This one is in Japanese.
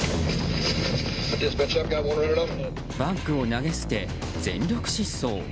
バッグを投げ捨て、全力疾走。